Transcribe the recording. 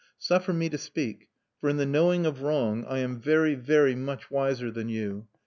Suffer me to speak; for in the knowing of wrong I am very, very much wiser than you....